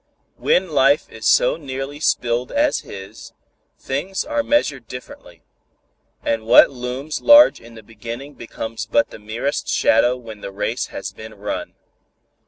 When life is so nearly spilled as his, things are measured differently, and what looms large in the beginning becomes but the merest shadow when the race has been run.